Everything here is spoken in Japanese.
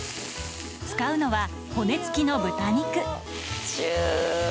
使うのは骨付きの豚肉ジュ。